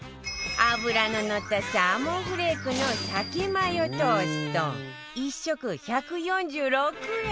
脂の乗ったサーモンフレークのサケマヨトースト１食１４６円